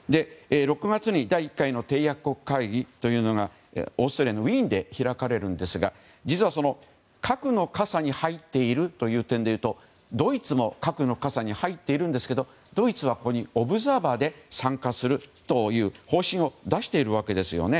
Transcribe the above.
６月に第１回の締約国会議というのがオーストリアのウィーンで開かれますが実は、核の傘に入っているという点でいうとドイツも核の傘に入っていますがドイツはここにオブザーバーで参加するという方針を出しているわけです。